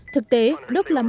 thực tế đức là một trăm linh